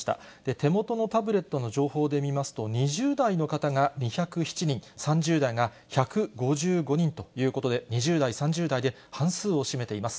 手元のタブレットの情報で見ますと、２０代の方が２０７人、３０代が１５５人ということで、２０代、３０代で半数を占めています。